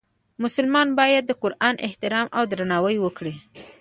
مسلمان باید د قرآن احترام او درناوی وکړي.